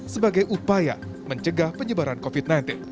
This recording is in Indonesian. sebagai upaya mencegah penyebaran covid sembilan belas